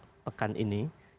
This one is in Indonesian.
itu adalah langkah langkah